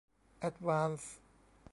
แอดวานส์